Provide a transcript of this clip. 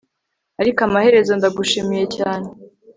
Ariko amaherezo ndagushimiye cyane